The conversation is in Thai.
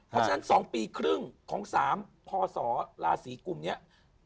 เพราะฉะนั้น๒ปีครึ่งของ๓พศราศีกลุ่มนี้